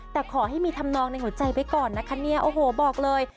แต่ขอให้มีธรรมนองในหัวใจไปก่อนนะคะเนี่ยโอ้โหบอกเลย